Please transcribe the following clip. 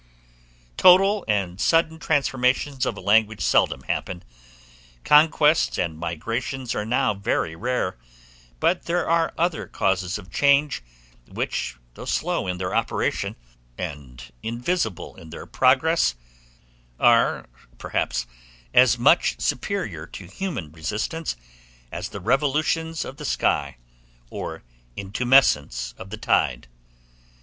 Total and sudden transformations of a language seldom happen; conquests and migrations are now very rare: but there are other causes of change, which, though slow in their operation, and invisible in their progress, are perhaps as much superior to human resistance, as the revolutions of the sky, or intumescence of the tide.